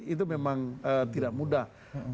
itu memang tidak mudah